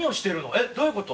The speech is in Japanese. えっどういうこと？